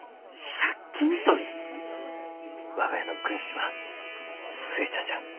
我が家の軍師は寿恵ちゃんじゃ。